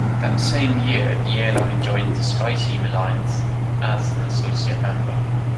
That same year, the airline joined the SkyTeam alliance as an associate member.